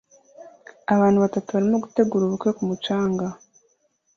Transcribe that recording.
Abantu batatu barimo gutegura ubukwe ku mucanga